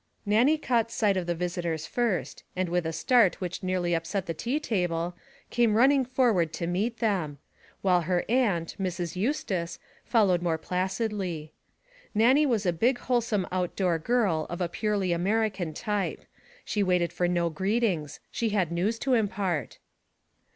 Nannie caught sight of the visitors first, and with a start which nearly upset the tea table, came running forward to meet them; while her aunt, Mrs. Eustace, followed more placidly. Nannie was a big wholesome outdoor girl of a purely American type. She waited for no greetings; she had news to impart.